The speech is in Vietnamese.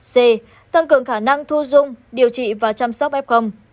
c tăng cường khả năng thu dung điều trị và chăm sóc f